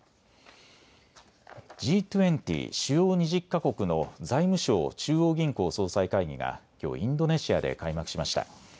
Ｇ２０・主要２０か国の財務相・中央銀行総裁会議がきょうインドネシアで開幕しました。